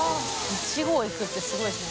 １合いくってすごいですね。